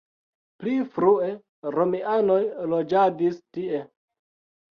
Pli frue romianoj loĝadis tie.